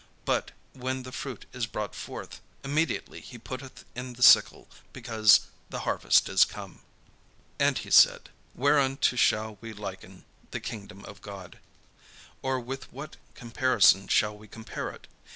But when the fruit is brought forth, immediately he putteth in the sickle, because the harvest is come." And he said: "Whereunto shall we liken the kingdom of God? or with what comparison shall we compare it?